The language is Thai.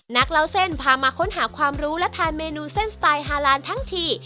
นักเล่าเส้นพามาค้นหาความรู้และทานเมนูเส้นสไตล์ฮาลานทั้งที